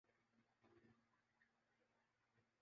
خواب میں بھی ڈرانے والی بولی وڈ فلمیں